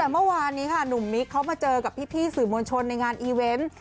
แต่เมื่อวานนี้ค่ะหนุ่มมิกเขามาเจอกับพี่สื่อมวลชนในงานอีเวนต์